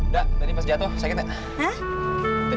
deket jatuh sakitnya